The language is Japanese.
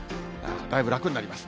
だいぶ楽になります。